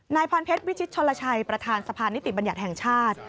พรเพชรวิชิตชนลชัยประธานสะพานนิติบัญญัติแห่งชาติ